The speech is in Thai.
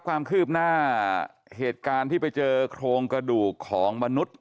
ความคืบหน้าเหตุการณ์ที่ไปเจอโครงกระดูกของมนุษย์